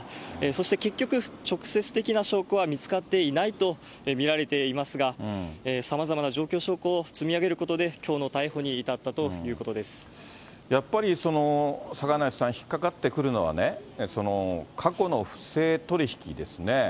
そして結局、直接的な証拠は見つかっていないと見られていますが、さまざまな状況証拠を積み上げることできょうの逮捕に至ったといやっぱり坂梨さん、引っ掛かってくるのはね、過去の不正取り引きですね。